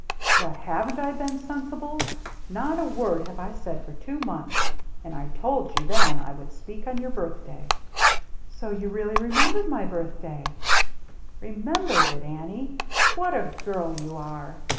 " But haven't I been sensible ? Not a word have I said for two months. And I told you then I would speak on your birthday." "So you really remembered my birth day?" " Remembered it, Annie ! What a girl you are